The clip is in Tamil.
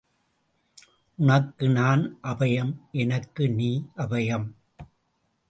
உனக்கு நான் அபயம் எனக்கு நீ அபயம்.